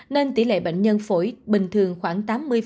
nên tỷ lệ bệnh nhân phổi bình thường khoảng tám mươi